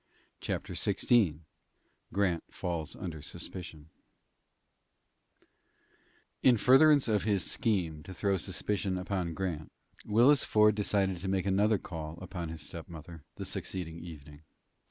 CHAPTER XVI GRANT FALLS UNDER SUSPICION In furtherance of his scheme to throw suspicion upon Grant, Willis Ford decided to make another call upon his stepmother the succeeding evening.